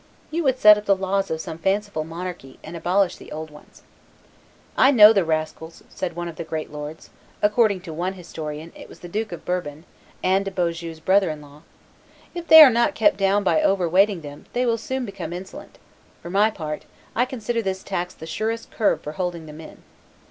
You would set up the laws of some fanciful monarchy, and abolish the old ones." "I know the rascals," said one of the great lords [according to one historian, it was the Duke of Bourbon, Anne de Beaujeu's brother in law]; "if they are not kept down by over weighting them, they will soon become insolent; for my part, I consider this tax the surest curb for holding them in."